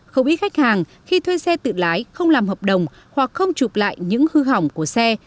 không ít khách hàng khi thuê xe tự lái không làm hợp đồng hoặc không chụp lại những hư hỏng của xe